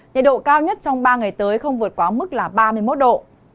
nhiệt độ cao nhất trong ba ngày tới không vượt quá mức là ba mươi một độ